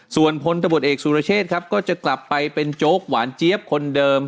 ส่วนพลตำรวจเอกสุรเชษครับก็จะกลับไปเป็นโจ๊กหวานเจี๊ยบคนเดิม